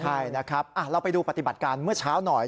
ใช่นะครับเราไปดูปฏิบัติการเมื่อเช้าหน่อย